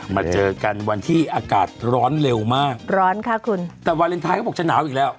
มาเจอกันวันที่อากาศร้อนเร็วมากร้อนค่ะคุณแต่วาเลนไทยเขาบอกจะหนาวอีกแล้ว